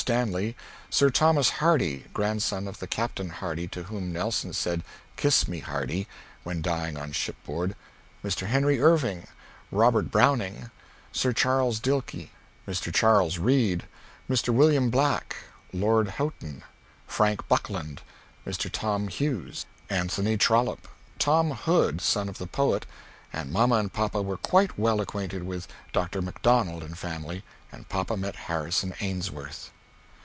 Stanley, Sir Thomas Hardy grandson of the Captain Hardy to whom Nellson said "Kiss me Hardy," when dying on shipboard, Mr. Henry Irving, Robert Browning, Sir Charles Dilke, Mr. Charles Reade, Mr. William Black, Lord Houghton, Frank Buckland, Mr. Tom Hughes, Anthony Trollope, Tom Hood, son of the poet and mamma and papa were quite well equanted with Dr. Macdonald and family, and papa met Harrison Ainsworth.